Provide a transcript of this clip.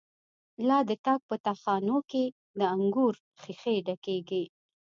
لا د تاک په تا خانو کی، د انگور ښیښی ډکیږی